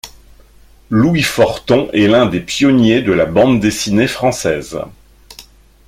Louis Forton est l’un des pionniers de la bande dessinée française.